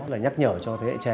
là nhắc nhở cho thế hệ trẻ